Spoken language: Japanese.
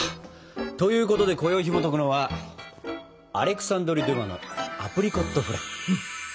ということでこよいひもとくのは「アレクサンドル・デュマのアプリコットフラン」。